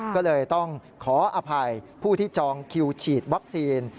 ก็เลยต้องขออภัยผู้ที่จองคิวฉีดวัคซีน